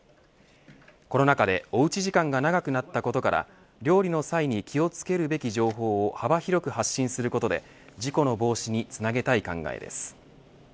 コロナ禍でおうち時間が長くなったことから料理の際に気をつけるべき情報を幅広く発信することで事故の防止につなげたい考えです。